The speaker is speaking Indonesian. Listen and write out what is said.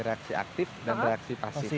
reaksi aktif dan reaksi pasifik